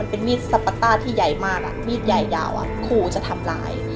มันเป็นมีดซะปั๊ตต้าที่ใหญ่มากอะมีดใหญ่ยาวอะครูจะทำลาย